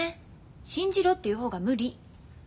信じろっていう方が無理。